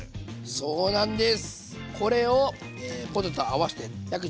そうなんです。